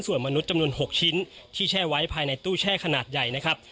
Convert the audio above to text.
ส่วนมนุษย์จำนวน๖ชิ้นที่แช่ไว้ภายในตู้แช่ขนาดใหญ่นะครับ